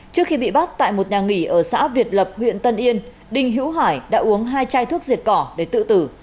trước khi bị bắt tại một nhà nghỉ ở xã việt lập huyện tân yên đinh hữu hải đã uống hai chai thuốc diệt cỏ để tự tử